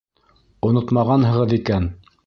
Онотмағанһығыҙ икән.